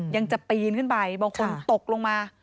ยังจะปีนขึ้นไปบางคนตกลงมา